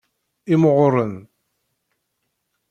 Imɣuren.